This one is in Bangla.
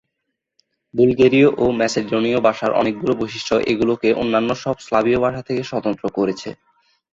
বুলগেরীয় ও ম্যাসডোনীয় ভাষার অনেকগুলি বৈশিষ্ট্য এগুলিকে অন্যান্য সব স্লাভীয় ভাষা থেকে স্বতন্ত্র করেছে।